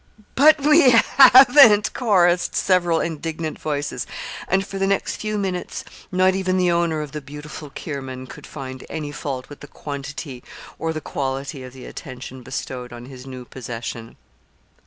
"But we haven't!" chorussed several indignant voices. And for the next few minutes not even the owner of the beautiful Kirman could find any fault with the quantity or the quality of the attention bestowed on his new possession.